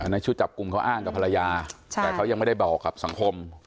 ในชุดจับกลุ่มเขาอ้างกับภรรยาแต่เขายังไม่ได้บอกกับสังคม